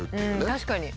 確かに。